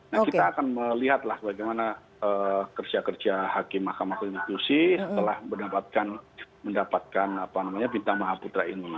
nah kita akan melihatlah bagaimana kerja kerja hakim mk konstitusi setelah mendapatkan mendapatkan apa namanya bintang maha putra ini